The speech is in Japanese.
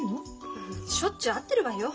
しょっちゅう会ってるわよ。